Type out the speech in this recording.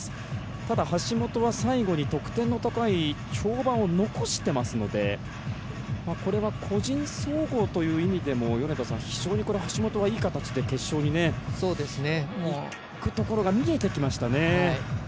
ただ、橋本は最後に得点の高い跳馬を残していますのでこれは、個人総合という意味でも非常に橋本がいい形で決勝にいくところが見えてきましたね。